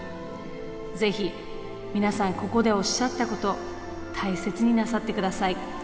是非皆さんここでおっしゃったこと大切になさってください。